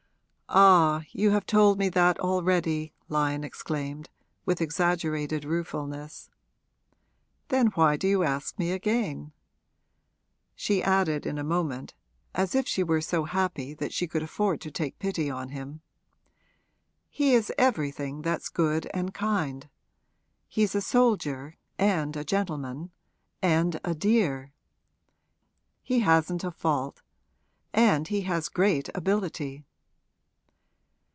'Ah, you have told me that already!' Lyon exclaimed, with exaggerated ruefulness. 'Then why do you ask me again?' She added in a moment, as if she were so happy that she could afford to take pity on him, 'He is everything that's good and kind. He's a soldier and a gentleman and a dear! He hasn't a fault. And he has great ability.'